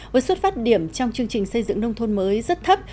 với xuất phát điểm trong chương trình xây dựng nông thôn mới rất thấp